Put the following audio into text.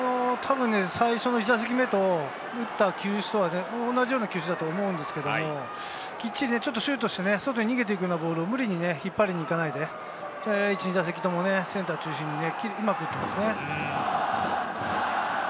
最初の１打席目と打った球種とは同じような球種だと思うんですけど、シュートして逃げていくようなボールを無理に引っ張りに行かないで１、２打席ともセンター中心にうまく打っていますね。